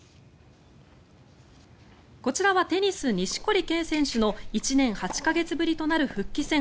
こちらはテニス、錦織圭選手の１年８か月ぶりとなる復帰戦。